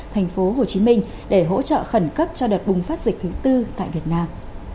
thành phố hồ chí minh để hỗ trợ khẩn cấp cho đợt bùng phát dịch thứ tư tại việt nam